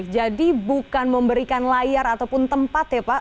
jadi bukan memberikan layar ataupun tempat ya pak